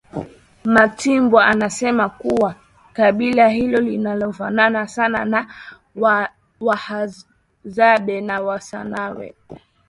Matimbwa anasema kuwa kabila hilo linafanana sana na Wahadzabe na Wasandawe